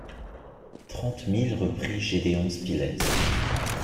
Trente milles reprit Gédéon Spilett.